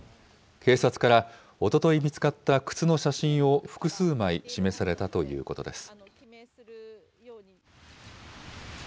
警察から、おととい見つかった靴の写真を複数枚示されたということです。